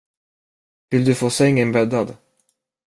Vill du få sängen bäddad?